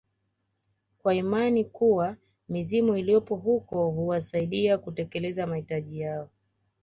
kwa imani kuwa mizimu iliyopo huko huwasaidia kutekeleza mahitaji yao